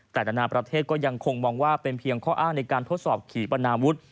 แต่นานาประเทศก็ยังคงมองว่าเป็นเพียงข้ออ้างในการทดสอบขี่ปนาวุฒิ